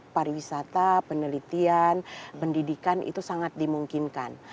pariwisata penelitian pendidikan itu sangat dimungkinkan